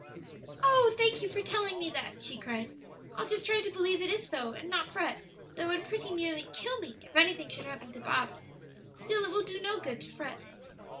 "Oh, thank you for telling me that!" she cried. "I'll just try to believe it is so and not fret, though it would pretty nearly kill me if anything should happen to Bob. Still, it will do no good to fret."